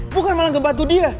bukan malah ngebantu dia